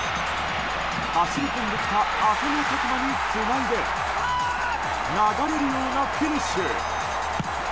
走り込んできた浅野拓磨につないで流れるようなフィニッシュ。